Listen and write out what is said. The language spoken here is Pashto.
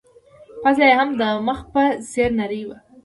پزه يې هم د مخ په څېر نرۍ وه.